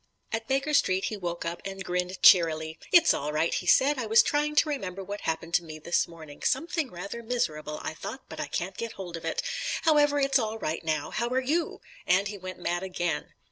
At Baker Street he woke up, and grinned cheerily. "It's all right," he said, "I was trying to remember what happened to me this morning something rather miserable, I thought, but I can't get hold of it. However it's all right now. How are you?" And he went mad again.